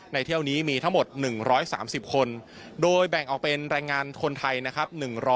เที่ยวนี้มีทั้งหมด๑๓๐คนโดยแบ่งออกเป็นแรงงานคนไทยนะครับ